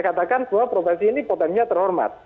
saya katakan semua profesi ini potensinya terhormat